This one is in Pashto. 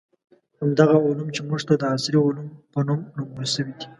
همدغه علوم چې موږ ته د عصري علومو په نوم نومول شوي دي.